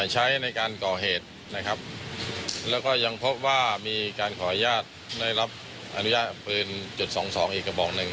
ใช้ในการก่อเหตุนะครับแล้วก็ยังพบว่ามีการขออนุญาตได้รับอนุญาตปืนจุดสองสองอีกกระบอกหนึ่ง